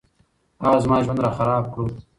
هغه زما ژوند راخراب کړو